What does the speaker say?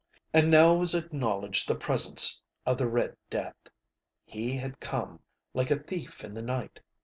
And now was acknowledged the presence of the Red Death. He had come like a thief in the night.